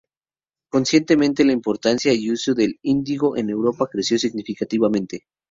Consecuentemente, la importación y uso del índigo en Europa creció significativamente.